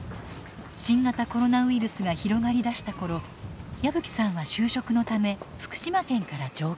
新型コロナウイルスが広がり出した頃矢吹さんは就職のため福島県から上京。